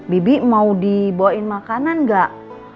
bibi mau dibawain makanan gak